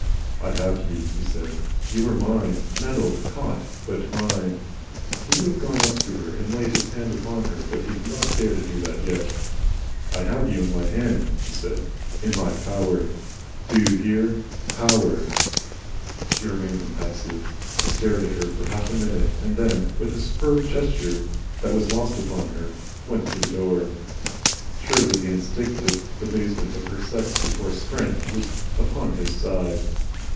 "I HAVE you,", he said. "You are mine. Netted caught. But mine." He would have gone up to her and laid his hand upon her, but he did not dare to do that yet. "I have you in my hand," he said, "in my power. Do you hear POWER!" She remained impassive. He stared at her for half a minute, and then, with a superb gesture that was lost upon her, went to the door. Surely the instinctive abasement of her sex before Strength was upon his side.